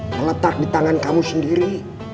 meletak di tangan kamu sendiri